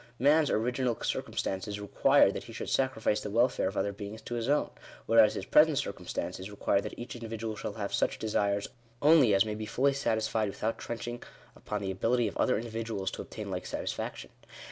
man's original circumstances "required that he should sacrifice the welfare of other beings to his own ;" whereas his present cir cumstances require that " each individual shall have such desires only as may be fully satisfied without trenching upon the ability of other individuals to obtain like satisfaction."